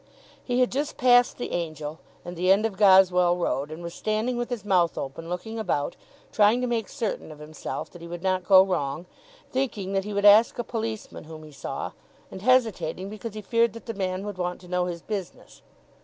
He had just passed the Angel, and the end of Goswell Road, and was standing with his mouth open, looking about, trying to make certain of himself that he would not go wrong, thinking that he would ask a policeman whom he saw, and hesitating because he feared that the man would want to know his business.